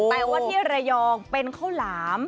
แต่ว่าที่ระยองเป็นข้าวหลาม